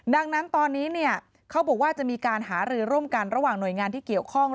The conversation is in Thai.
ดังนั้นตอนนี้เขาบอกว่าจะมีการหารือร่วมกันระหว่างหน่วยงานที่เกี่ยวข้อง